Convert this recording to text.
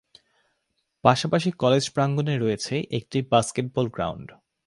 পাশাপাশি কলেজ প্রাঙ্গনে রয়েছে একটি বাস্কেটবল গ্রাউন্ড।